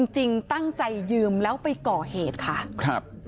จริงตั้งใจยืมแล้วไปก่อเหตุค่ะครับ